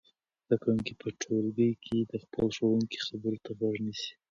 زده کوونکي په ټولګي کې د خپل ښوونکي خبرو ته غوږ نیسي.